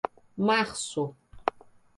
março